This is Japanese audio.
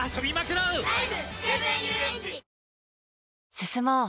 進もう。